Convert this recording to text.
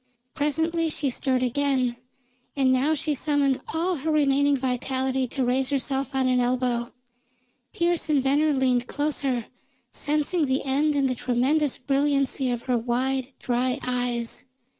Presently she stirred again, and now she summoned all her remaining vitality to raise herself on an elbow. Pearse and Venner leaned closer, sensing the end in the tremendous brilliancy of her wide, dry eyes.